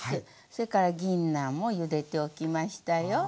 それからぎんなんもゆでておきましたよ。